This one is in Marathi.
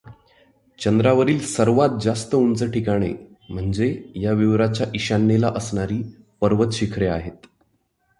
चंद्रावरील सर्वांत जास्त उंच ठिकाणे म्हणजे या विवराच्या ईशान्येला असणारी पर्वत शिखरे आहेत.